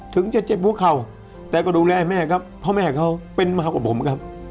ถึงจะเจ็บหัวเข่าแต่ก็ดูแลแม่ครับเพราะแม่เขาเป็นมากกว่าผมครับ